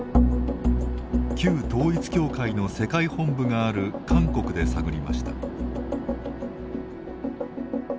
旧統一教会の世界本部がある韓国で探りました。